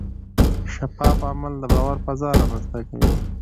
شفاف عمل د باور فضا رامنځته کوي.